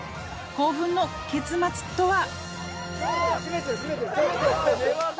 「興奮の結末とは？」